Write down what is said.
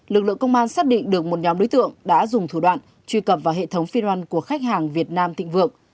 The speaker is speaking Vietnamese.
lực lượng công an xác định được một nhóm đối tượng đã dùng thủ đoạn truy cập vào hệ thống firan của khách hàng việt nam thịnh vượng